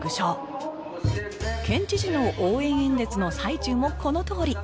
県知事の応援演説の最中もこのとおり